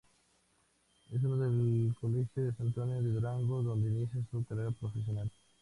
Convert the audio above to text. Es en el colegio San Antonio de Durango donde inicia su carrera profesional.